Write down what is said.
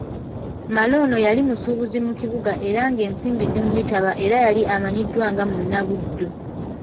Male ono yali musuubuzi mu kibuga era ng'ensimbi zimuyitaba era yali amanyiddwa nga munnabuddu.